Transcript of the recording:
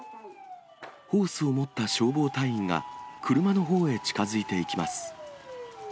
ホースを持った消防隊員が、車のほうへ近づいていきます。